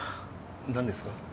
何ですか？